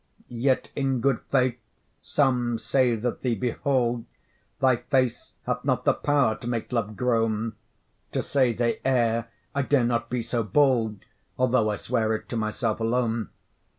Yet, in good faith, some say that thee behold, Thy face hath not the power to make love groan; To say they err I dare not be so bold, Although I swear it to myself alone.